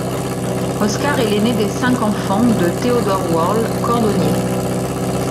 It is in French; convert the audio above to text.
Oskar est l'aîné des cinq enfants de Theodor Wöhrle, cordonnier.